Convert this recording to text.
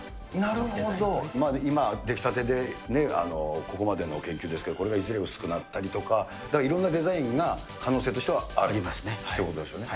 なるほど、今、出来たてで、ここまでの研究ですけど、これがいずれ薄くなったりとか、だから、いろんなデザインが可能ありますね。ということですよね。